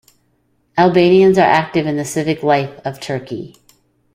Albanians are active in the civic life of Turkey.